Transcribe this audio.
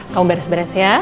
kamu beres beres ya